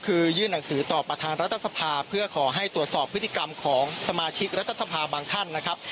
คือยื่นหนังสือต่อประธานรัฐสภาเพื่อขอให้ตรวจสอบพฤติกรรมของสมาชิกรัฐสภาบางท่านนะครับ